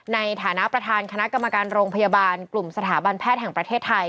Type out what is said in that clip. ในฐานะประธานคณะกรรมการโรงพยาบาลกลุ่มสถาบันแพทย์แห่งประเทศไทย